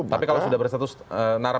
tapi kalau sudah bersatu narapidana